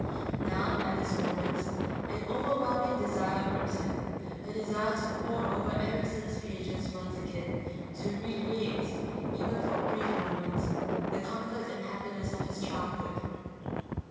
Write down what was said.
Now, at this moment, an overwhelming desire gripped him, a desire to pour over Erickson's pages once again, to re create, even for a brief moment, the comfort and happiness of his childhood.